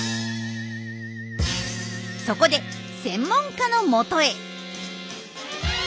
そこで専門家のもとへ。